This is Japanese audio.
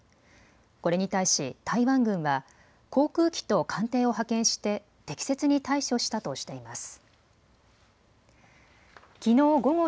これに対し台湾軍は航空機と艦艇を派遣して適切に対処したとしています。